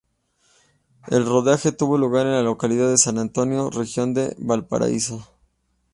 El rodaje tuvo lugar en la localidad de San Antonio, Región de Valparaíso.